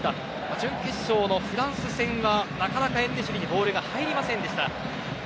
準決勝のフランス戦はなかなかエンネシリにボールが入りませんでした。